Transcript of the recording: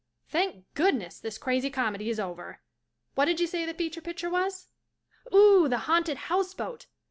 Thank goodness this crazy comedy is over. What didja say the feature picture was ? Oo o, The Haunted House Boat